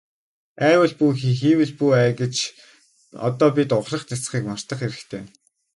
АЙвал бүү хий, хийвэл бүү ай гэж одоо бид ухрах няцахыг мартах хэрэгтэй.